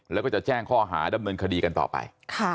แล้วก็จะแจ้งข้อหาดำเนินคดีกันต่อไป